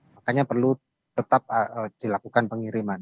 makanya perlu tetap dilakukan pengiriman